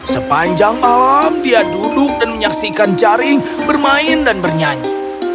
sepanjang malam dia duduk dan menyaksikan jaring bermain dan bernyanyi